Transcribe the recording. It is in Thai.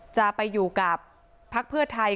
จะไปอยู่กับพักเพื่อไทย